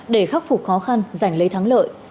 để khắc phục khó khăn giành lấy thắng lợi